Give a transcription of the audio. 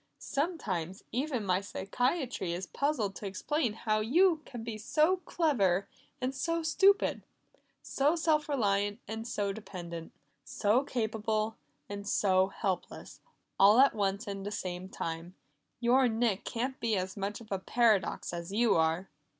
Sometimes even my psychiatry is puzzled to explain how you can be so clever and so stupid, so self reliant and so dependent, so capable and so helpless all at one and the same time. Your Nick can't be as much of a paradox as you are!"